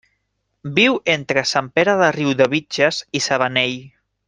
Viu entre Sant Pere de Riudebitlles i Sabanell.